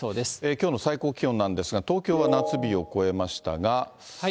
きょうの最高気温なんですが、東京は夏日を超えましたが。